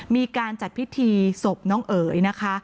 มีการจัดพิธีศพน้องเอ๋ยนะคะ